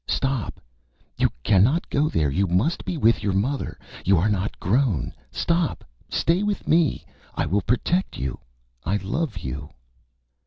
_Stop. You cannot go there. You must be with your mother. You are not grown. Stop. Stay with me. I will protect you. I love you.